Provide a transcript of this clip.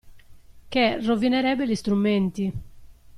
Che rovinerebbe gli strumenti.